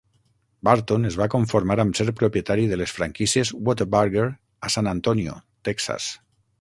Burton es va conformar amb ser propietari de les franquícies Whataburger a San Antonio (Texas).